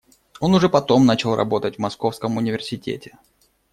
Он уже потом начал работать в Московском университете.